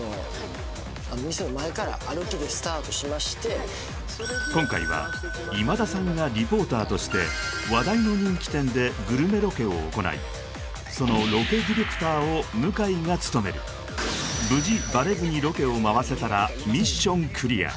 あのまず今回は今田さんがリポーターとして話題の人気店でグルメロケを行いそのロケディレクターを向井が務める無事バレずにロケを回せたらミッションクリア